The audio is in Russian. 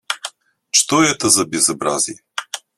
Что это за безобразие?